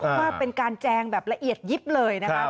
ว่าเป็นการแจงแบบละเอียดยิบเลยนะครับ